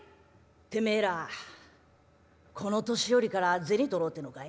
「てめえらこの年寄りから銭取ろうってのかい？」。